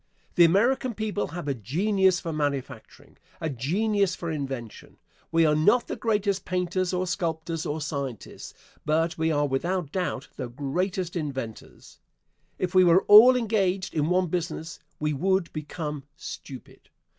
The American people have a genius for manufacturing, a genius for invention. We are not the greatest painters or sculptors or scientists, but we are without doubt the greatest inventors. If we were all engaged in one business we would become stupid.